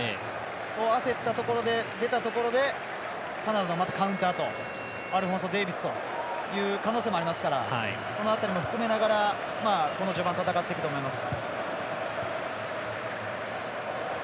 そう焦ったところで出たところでカナダのカウンターアルフォンソ・デイビスという可能性もありますからその辺りも含めながら序盤、戦っていくと思います。